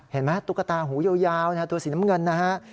เห็นไหมตุ๊กตาหูยาวตัวสีน้ำเงินนะฮะ